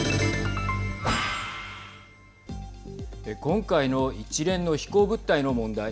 今回の一連の飛行物体の問題。